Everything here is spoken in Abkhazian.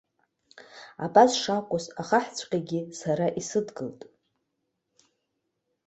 Абас шакәыз ахаҳәҵәҟьагьы сара исыдгылт.